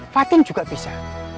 fatin juga bisa